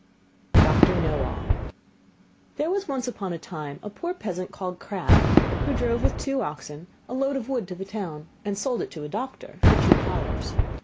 DOCTOR KNOWALL There was once upon a time a poor peasant called Crabb, who drove with two oxen a load of wood to the town, and sold it to a doctor for two talers.